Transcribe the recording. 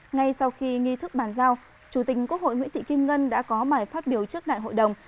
ngay sau khi nghi thức bàn giao chủ tình quốc hội nguyễn thị kim ngân đã có bài phát biểu trước đại hội đồng